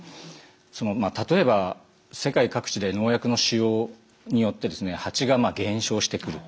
例えば世界各地で農薬の使用によってハチが減少してくる。